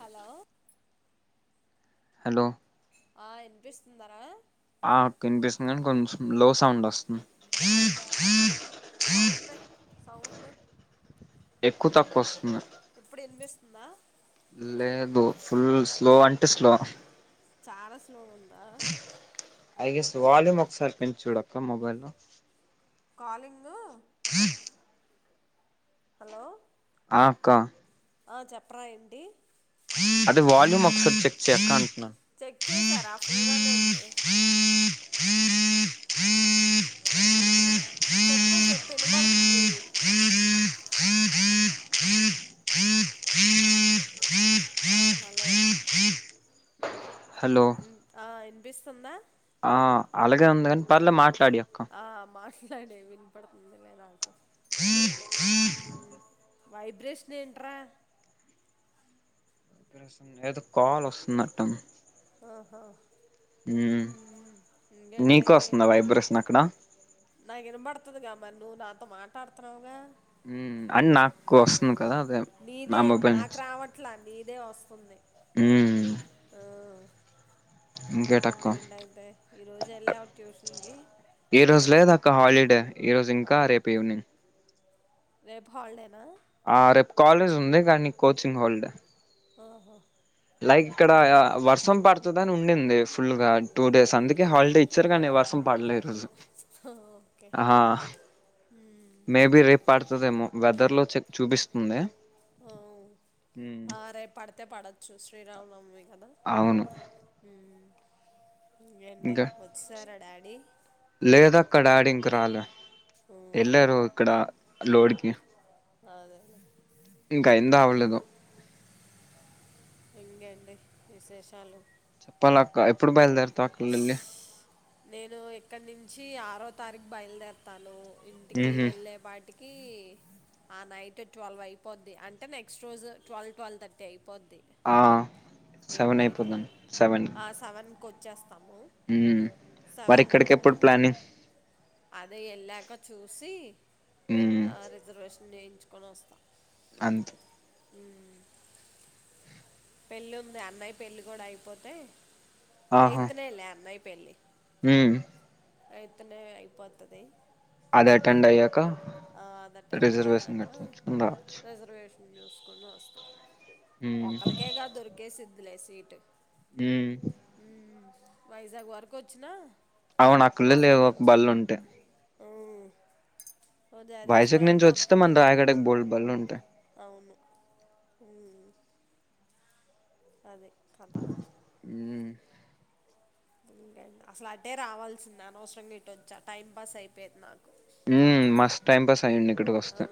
Hello hello ఆ వినిపిస్తుందారా ఆ కినిపిస్తుంది కానీ కొంచెం లో సౌండ్ వస్తుంది అవుదా సౌండ్ బ సౌండ్ ఎక్కువ తక్కువ వస్తుంది వా లేదు ఫుల్ స్లో అంటే స్లో చాలా స్లో ఉందా ఐ గెస్ వాల్యూమ్ ఒకసారి పెంచి చూడక్క మొబైల్ లో కాలింగ్ హ హలో ఆక ఆ చెప్పరా ఏడి అదే వాల్యూమ్ ఒకసారి చెక్ చేయక చెక్ చేసారా ఫుల్గానే ఉంది చెప్పు చెప్పు వినబడుతుంది ఇది ఆ హలో హలో పిస్తుంద ఆ అలాగే ఉంది కాని పర్లే మాట్లా ఆ మా సడే వినపడుతుంది లే నాకోం హ వైబ్రేషన్ ఏంట్రా ఏదో కాల్ వస్తున్నట్టు ఆహా ఉమ్ నీకోస్తుందా వైబ్రేషన్ అక్కడ నాకు వినబడుతుందిగా మరి నువ్వు నాతో మాట్డుతున్నావుగా ఉమ్ అని నాకు వస్తుంది కదా అదే నా నీదే మొబైల్ నాకు నుంచి రావట్లా నీదే వస్తుంది ఉమ్ ఆ ఇంకేటక్క ఇంగే ఇంటయితే ఈ రోజు ఎలవా ట్యూషన్కి క హాలిడే ఈ రోజు ఆ, ఇంకా రేపు ఈవినింగ్ రేపు హల్డేనా ఆ రేపు కాలేజ్ ఉంది కానీ కోచింగ్ హాల్డ్ ఆహా లైక్ ఇక్కడ వర్షం పడుతుందని ఉం నింది ఫుల్గా టూ డేస్ అందుకే ఓకే హాలిడే ఇచ్చారు గానీ వర్షం పడలేదు ఓకే ఉమ్, మే బి రేపు పడ్ వస్తదేమో వెదర్ లో చె చూపిస్తుంది ఓ ఉమ్, ఆరే పడ తే పడొచ్చు శ్రీరామ్ నవమి కద అవును ఇకేండి వచ్చసరా డాడ్ డీ లేదా అక్క డాడి ఇంక రాలే ఉమ్, ఎల్లారు ఇక్కడ లోడ్కి అదే అదె ఇంకా అయిందో అవ్వలేదొ ఇంగేండి విసేషాలు? చెప్పాలక్క. ఎప్పుడు బయలుదేర్ తా అక్కలెల్లి? నేను ఇక్కడ నుంచి ఆరో తారీఖు బయలుదేరతాను. ఇంటికి ఉహు వెళ్లేపాటిక్ కీ, ఆ నైట్ ట్వెల్వ్ అయిపోద్ది. అంటే, నెక్స్ట్ రోజు ట్వెల్ ట్వల్థర్టీ అయిప్ పొద్ది. ఆ మిడ్ సెవెన్ నైట్. అయిపోతుంది ఆ సవన్ కొచ్చేస్తాము. మ్మ్ మరి ఇక్కడికి ఎప్పుడు ప్లానింగ్? అదె ఎళ్ళాక చూసి, ఉమ్, ఆ రిజర్వేష నేయించుకొని వస్తా. అంతే. మ్మ్ పెళ్లి ఉంది. అన్నయ్య పెళ్లి కూడా అయిపోతే, ఎయిత్ నె లే అన్నయ్ పెళ్లి మ్ ఎయిత్ నె అయిపోతది అది అటెండ్ అయ్యాక ఆ అది అటెన్ రిజర్వేషన్ అయినాక కట్టించుకుని రావచ్చు రిజర్వేషన్ మ్ చూసుకొని వస్తా. ఉమ్ ఒకలికేగా దొరికేసిద్ దిలే సీటు. మ్ వైజాగ్ వరకు వచ్చినా, అవును. అక్కళ అక్కడి లేవు ఒక నుంచి బళ్ళుంటే. "ఉమ్, ఓ జగదీశ్మా వయజాగ్ నుంచి అన్న వచ్చేతే మన వస్తానన్నాడు రాయగడకి బోలెడ్ బల్లుంటాయి. మ్ అది కథ. మ్ ఇంకేంటి, అసలు అటే రావాల్సింది. అనవసరంగా ఇట్టొచ్చా. టైం పాస్ అయిపోయేది నాకు. మ్. మస్త్ టైమ్ పాస్. తయిండు. ఇక్కడికి ఆ, ఒస్తే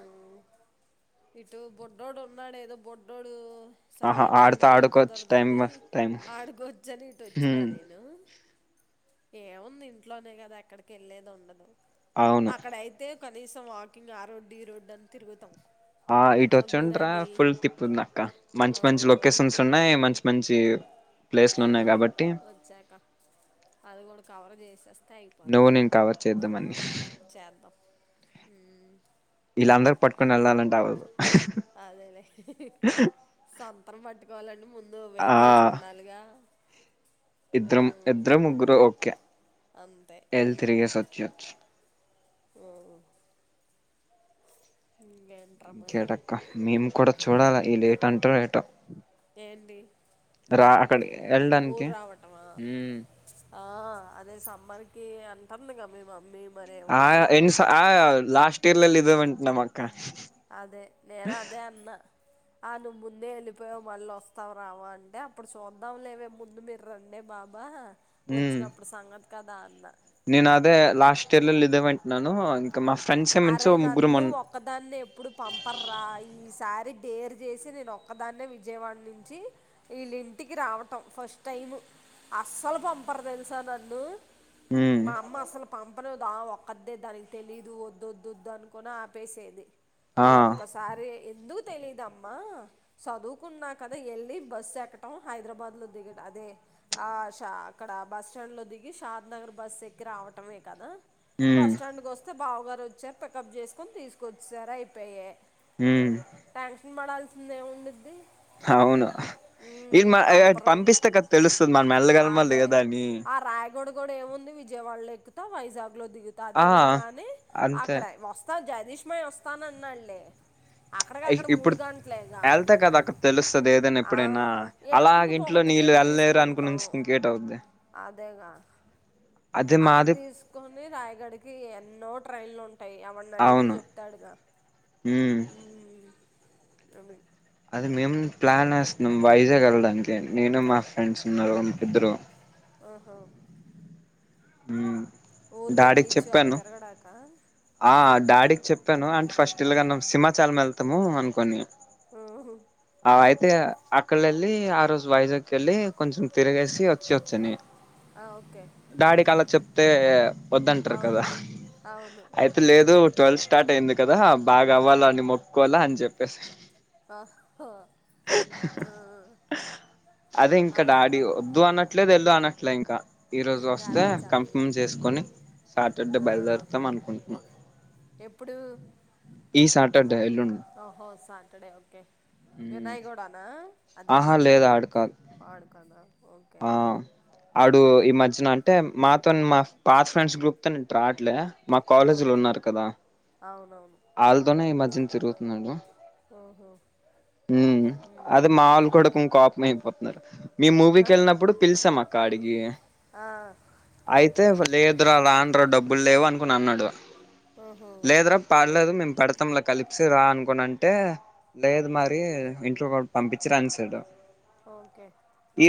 ఇటు బుడ్డోడున్నాడు ఏదో బొడ్డోడు. ఆహా సల్లే మళ్ళీ ఆడితే మళ్ళీ ఆడుకోవచ్చు టైం కుదరదని పాస్ టైం ఆడుకోవచ్చ అని ఇటు వచ్చినా ఉమ్ నేను ఏముంది ఇంట్లోనే కదా ఎక్కడికి వెళ్ళలేది ఉండదు అవును అక్కడయితే కనీసం వాకింగ్ ఆరోగ్య డి రోడ్ అని తిరుగుతాం ఆ ఇటు వచ్చింటరా ఫుల్ తిప్పుంది అక్క ఆ మంచి మంచి లొకేషన్స్ ఉన్నాయి మంచి మంచి ప్లేస్లు ఉన్నాయి వెల్లం కాబట్టి వచ్చక అది కూడా కవర్ చేసేస్త నువ్వు నేను కవర్ చేద్దామ అని చద అందరుూ పట్టుకుని వెళ్ళాలంటేవ్వదు అదేలే స్ొంతం పటి కావాలం ముందు ఎందుో వెహికల్స్ ఉండాలిగా ఆ ఇద్ద్రం ఇద్దరు ముగ్గురు ఓకే అంతే ఎల్ ఉమ్ తిరిగి సొచ్చి వచ్చి ఓ హ కడక్క మేము కూడాడ చూడాలా ఈ లేట్ అంటారు ఏటో ఏంటి రా అక్కడ ఊరు వెళ్ళడానికి రావటమా హ ఆ అదే సమ్మర్ కి అంటుంది కద మే మమ్మీ మరేమో ఆ ఎన్ చూద్దాం ఆ లాస్ట్ పట్టిర్లల్ ఇదవ ఉంటు నమ్మక్క అదే నేను అదే అన్న ఆ నువ్వు ముందే వెళ్ళిపోయావు మళ్ళీ వస్తావు రావా అంటే అప్పుడు చూద్దాం లేవే ముందు మీరు రండే బాబా ఉమ్ వచ్చినప్పుడు సంగ కదా అన్న నేను అదే లాస్ట్ ఇయర్ల్ ఇదేవంంట నను అంత అరే నన్ను ఒక్కదాన్ని ఎప్పుడు పంపర్రా ఈసారి దేరు చేసి నేను ఒక్కదాన్న విజయవాడ నుంచి వీళ్ళ ఇంటికి రావట ఫస్ట్ టైం అసలు పంపరు తెలుసా నన్ను ఉమ్ మా అమ్ అసలు పంపదా ఒకద్దే దా తెలీదు వ దొద్దుద్దు అనుకుని ఆపేసేది ఆ ఈ ఒక్కసారి ఎందుకు తెలీదుమ్మా చదువుకున్నా కదా వెళ్ళి ఉమ్ ి అి క వచ్చారు పికప్ చేసుకొని తీసుకొచ్చు సారు అయిపోయ ఉమ్ ట్యాషన్ మడ [unintelligible] ఉండుద్ది అవును ఇ మ పంపరు పంపిస్తే కదా తెలుస్తుంది మన మెల్లగలమా అదే లేదా అని ఆ రాయగడ కూడా ఏముంది విజయవాడలో ఎక్కుతా వైజాగ్ లో దిగుతా ఆ అదేగంగాని అంతే ఆక్కడయి వస్త జ నీష్మయ్ వస్తానన్నాడ్లే అక్కడిక అక్కడ మూడు ఇప్పుడు గంటలేగా వెళ్తే కదా అక్కడ తెలుస్తది ఏదైనా ఆ ఎప్పుడైనా అలాగ ఏముంది ఇంట్లో ఒక నీళ్ళు టికెట్ వెళ్ళలేరు అనుకుని తీసుకుంటాం ఉంచితే ఇంకేట అవుద్ది అదేగా అదే అక్కడ మాది దీసుకొని రాయగడికి ఎన్నో ట్రైల్ లో టయ్ ఎవన్న అడిగినా అవును చెప్తాడుగా ఉమ్ హ్మ్ అది అది మేము ప్లాన్ వేస్తున్నాం వైజాగ్ వెళ్ళడానికి నేను మా ఫ్రెండ్స్ ఉన్నారు మా ఇద్దరు ఆహా. హ్మ్ ఊరికే బీచ్ అది తిరగడాక ఆ డాడీకి చెప్పాను అంటే ఫస్ట్ ఇల్లగన్నాం సిమ్మాచలం వెళ్తాము అనుకోని ఆ అయితే అక్కలెళ్ళి ఆ రోజు వైజాగ్ కెళ్ళి కొంచెం తిరగేసి వచ్చి వచ్చని ఆ ఓకే తే వద్దంటరు కదా అవును అవును లేదు ట్వెల్వ్ స్టార్ట్ అయింది కదా బాగా అవ్వాల అని మొక్కకోలా అని చెప్పేసి ఓహో ఆ అదే ఇంకా డాడీ అలాగా వద్దు అనట్లేదు వెళ్ళు అన అట్లా ఇంకా ఈ రోజు ఇంకా వస్తే అదే చెప్పలే కన్ఫర్మ్ చేసుకొని సాటర్డే ఆ బయలుదేరుతాం అనుకుం ఎప్పుడు ఈ సాటడ్ ఓహో సా తడే ఓకే వినయ్ గూడానా అదే ఆహా వాడు లేదు గూడా ఆడు కాదు వాడుకాదా ఆ ఆడు ఈ మధ్యన అంటే మాతో మా పాత ఫ్రెండ్స్ గ్రూప్ తోనే ట్రాట్లే మా కాలేజీలో ఉన్నారు కదా అవున్ ఆల్తోనే ఈ మ తిన్ తిరుగుతున్నాడు ఓహో ఉమ్ ఉమ్ అది మాలు కూడాడుకు కోపమే నరు మీ ఆ మూవీకి వెళ్ళినప్పుడు పిలిసాం అక్క అడిగి ఆ అయితే వ లేదు వద్దు రానురా డబ్బులు లేవు అనుకొని అన్నాడు ఓహో లేదురా పర్లేదు మేము పెడ తంల కలిసి రా అనుకుని అంటే లేదు మరి ఎ ఇంట్లో వాళ్ పంపించరనేశాడు ఓకే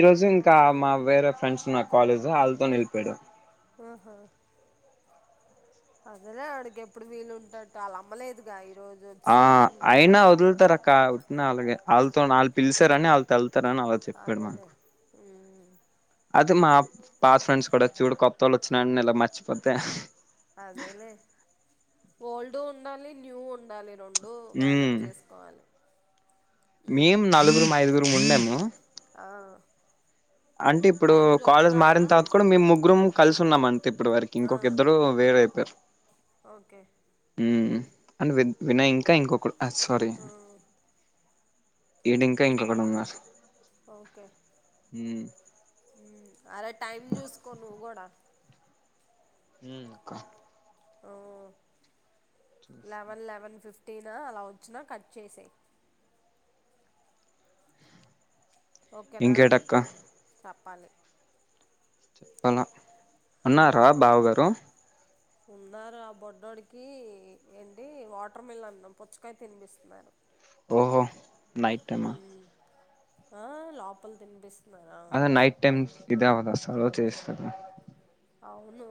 ఈ రోజు ఇంకా మా వేరే ఫ్రెండ్స్ ఉన్నారు కాలేజ్ ఆల్తోని వెళ్ళిపోయాడు ఆహా అదేలే అడికి ఎప్పుడు వీళ్ళుంటేటట్టు అలా అమ్మలేదుగా ఈరోజు ఆ వచ్చింది అనుకుంటా అయినా వదులుతారక్క అలాగే ఆల్లుతోన పిలిసారు అని ఆళ్ళతో వెల్ అదేలే ఉమ్ అతే మా పాత ఫ్రెండ్స్ కూడా చూడు కొత్తోళ్ళు వచ్చినా ఇలా మర్చిపోతే అదేలేే ఓల్డు ఉండాలి ని న్యూ ఉండాలి రొం డు మేనేజ్ చేసుకోవాలి మేము ఉమ్ నలుగురు ఐదుగురుం ఉన్నాము ఆ అంటే ఇప్పుడు టైం కాలేజ్ చూస్తున్నావా మారిన తర్వాత కూడా మేము ముగ్గురుం కలిసున్నామం తే ఇప్పుడు వరకి ఆ ఇంకొక ఇద్దరు వేర అయిపోయరు ఓకే ఉమ్ అండ్ వి వినయ్ ఇంకా ఇంకొకడు అ సారీ ఆ ఇండికా ఈవినింగ్ ఇంకొకడు ఉన్నారు ఓకే ఉమ్ ఉమ్ అరే టైం చూసుకో నువ్వు కూడా ఉమ్ అక్క ఆ లెవెన్ లెవెన్ ఫిఫ్ ట్టినా అలా వచ్చినా కట్ చేసేయ్ ఓకేనా ఇంకేటక్క చప్ పలి చెప్పల అన్నారా బావ గారు ఉన్నారా బొడ్డోడికి ఏంటి వాటర్ మిలన్ పుచ్చకాయ తినిపిస్తున్నారు ఓహో నైట్టైమ ఉమ్ ఆ లోపల్ తినిపిస్ అదే నైట్టైమ్స్ ఇదవదస్ అలా చేస్తర అవును.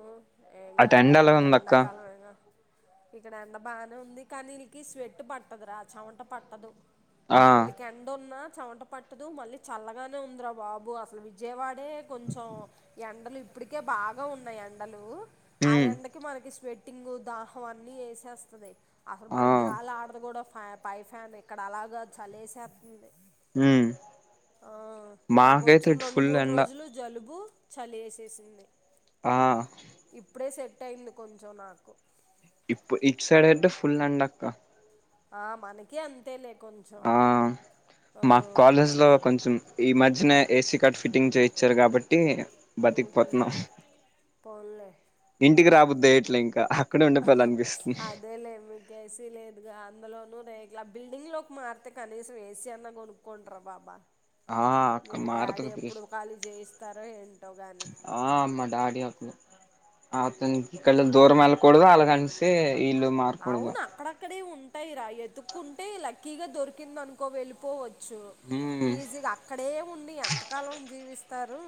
ఏంగాదులే ఎలా ఉందక్క ఇప్పుడెండాకాలమేగ ఇక్కడంత బానే ఉంది కానీ నీకి స్వెట్ పట్టద్రా చమట పట్టదు. ఆ విల్కేండున్నా చెమట పట్టదు మళ్ళీ చల్లగానే ఉంద్రా బాబు అసలు విజయవాడే కొంచెం ఎండలిప్పిటికే బాగ్ గా ఉన్నాయండలు ఉమ్ ఆయండకి మనకి స్వేట్ టింగ్ దాహం అన్ని వేసేస్తున్నాయ్ అసల్ ఆ మనకి గాలడదు కూడా పై ఫ్యాన్ ఇక్కడ అలాగాద్ చలేస్తుంది. ఉమ్ ఆ మాకైతే నాకోచ్చిన ఇటు రెండు ఫుల్ మూడు ఎండ రోజులు జలుబు చలేసేసింది. ఆ ఇప్పుడే సెట్ అయింది కొంచెం నాకు ఇప్ప్ఇట్ సైడయితే ఫుల్ ఎండక్క ఆ మనకి అంతేలే కొంచెం ఆ ఆ, మాకాలేజ్ లో కొంచెం ఈ మధ్యనే ఏసీ కట్ ఫిట్టింగ్ చేయిచ్చారు కాబట్టి మ్హూ. బతికిపోత్న్నాం. పోన్లే ఇంటికి రాబుద్ దేట్లే ఇంకా అక్కడే ఉండిపోవాలనిపిస్తుంది అదేలే మీకేసీ లేదుగా అందులోనూ అదే ఇట్ల బిల్డింగ్ లోక్మార్తె కనీసం ఏసి అన్న కొనుకొండ్రా బాబా ఆ అక్క మీ డాడీ మారుతనే తీస్ ఎప్పుడు ఖాళీ చేయిస్తారో ఏంటో కానీ ఆ మా డాడీ అక్ అతనికి ఇక్కళ్లే దూరమెల్లకుడదు అలాగనేసి వీళ్ళు మారకూడదు అవున అక్కడక్కడే ఉం టయిరా ఎతుక్కుంటే లక్కీగా దొరికిందనుకో వెళ్ళిపోవచ్ చ్చు మ్మ్ ఈజీగా అక్కడే ఉండి ఎంతకాలం జీవిస్ స్తారు.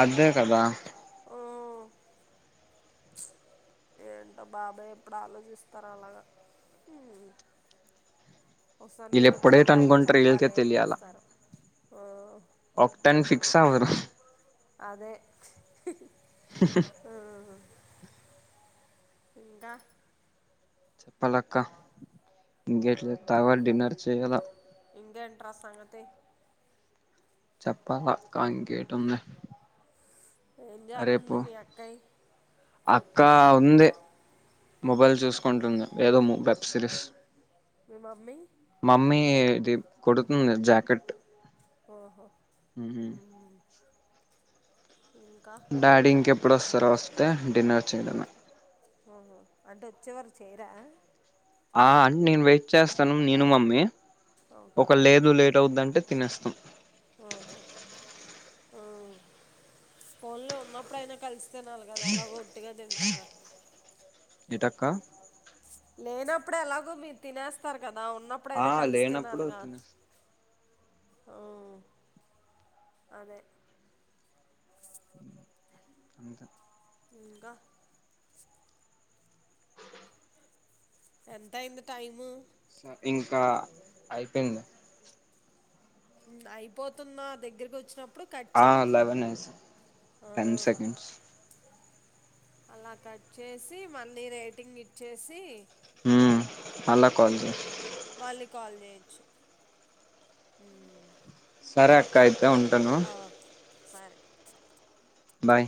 అద్దే కదా యూ ఉచ్ ఏంటో బాబాయ్ ఎప్పుడు ఆలోచిస్తారు అలాగా హు ఇల్లు ఎప్పుడు ఏటి అనుకుంటారో ఇళ్ళకే తెలియాలా చేస్తారు ఆ, అప్టానికి ఫిక్స్ అవ్వరు హూ అదే హు ఇంకా చెప్పాలా అక్క ఇంకేంటి తరువాత డిన్నర్ చెయ్యాలా ఇంకేంటి రా సంగతి చెప్పాల అక్క ఇంకేటి ఉంది ఎం చేస్తాంది మీ అక్క యి అక్క ఉంది మొబైల్ చూసుకుంటుంది ఏదో వెబ్ సిరీస్ మీ మమ్మీ ఏ ది కొడుతుంది జాకెట్ ఓహో ఉహు ఉమ్, ఇంకా డాడి ఇంకే ఎప్ ఎప్పుడో వస్తారో వస్తే డిన్నర్ చెయ్యడమే ఓహో అంటే వచ్చేవారుకు చెయ్యరా ఆ అంటే నేను వెయిట్ చేస్తాను నేను మమ్మీ ఓకే ఒక్క లేదు లేట్ అవుతుందంటే తినేస్తాం ఉ పోన్లే ఉన్నప్పుడైనా కలిసి తినాలా కదా ఎలాగో ఉట్టి గా తిన్ టర్రగానస్ ఏటి అక్క ఇప్పుడు ఎలాగో మీరు తినేస్తారు కదా ఆ ఉన్నప్పుడైనా కలిసి లేనప్పుడు తినాలిగా తినేస్తాం ఆ అదే అంతే ఇంకా ఎంత అయ్యింది టైము సరే ఇంకా అయిపోయింది ప్చ్ అయిపోతున్నా దగ్గరకి వచ్చినప్ ఆ లెవెన్ ఎస్ ఆ టెన్ సెకండ్స్ అలా కట్ చేసి మళ్లీ రేటింగ్ ఇచ్చేసి హ్మ్మ్ అలా కొంచెం మళ్ళీ కాల్ చెయ్యొచ్చు ఊ సరే అక్క అయి తా ఉంటాను సరే బాయ్